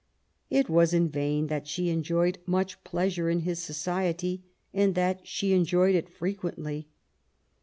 It was in vain that she enjoyed much pleasure in his society, and that she enjoyed it frequently.